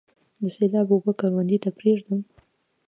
د سیلاب اوبه کروندې ته پریږدم؟